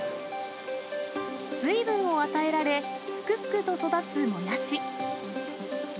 水分を与えられ、すくすくと育つもやし。